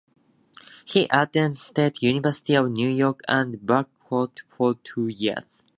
He attended the State University of New York at Brockport for two years.